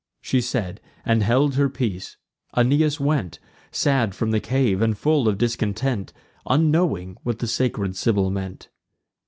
She said, and held her peace. Aeneas went Sad from the cave, and full of discontent, Unknowing whom the sacred Sibyl meant.